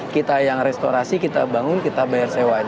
kita yang restorasi kita bangun kita bayar sewa